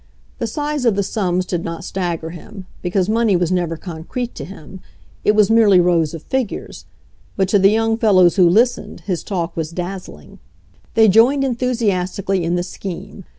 The size of the sums did not stagger him, be cause money was never concrete to him — it was merely rows of figures — but to the young fel lows who listened his talk was dazzling. They joined enthusiastically in the scheme.